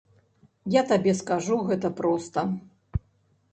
Я табе скажу гэта проста.